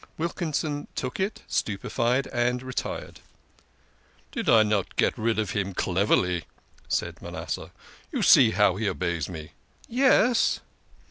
Wilkinson took it, stupefied, and retired. "Did I not get rid of him cleverly?" said Manasseh. " You see how he obeys me !" "Ye es."